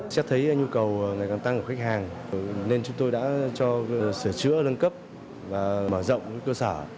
xét thấy nhu cầu ngày càng tăng của khách hàng nên chúng tôi đã cho sửa chữa nâng cấp và mở rộng cơ sở